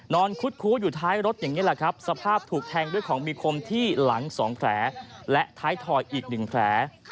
คุดคู้อยู่ท้ายรถอย่างนี้แหละครับสภาพถูกแทงด้วยของมีคมที่หลัง๒แผลและท้ายถอยอีก๑แผล